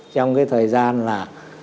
trong cái thời gian là